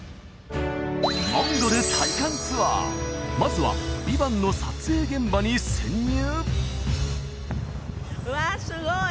モンゴル体感ツアーまずは「ＶＩＶＡＮＴ」の撮影現場に潜入！